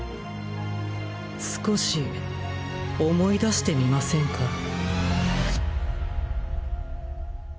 少し思い出してみませんか？